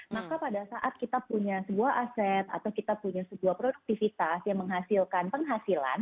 maka pada saat kita punya sebuah aset atau kita punya sebuah produktivitas yang menghasilkan penghasilan